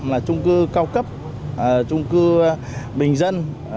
là trung cư cao cấp trung cư bình dân